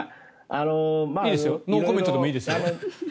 ノーコメントでもいいですよ。